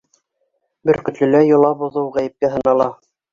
Бөркөтлөлә йола боҙоу ғәйепкә һанала.